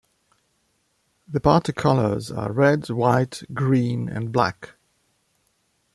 The party colors are red, white, green, and black.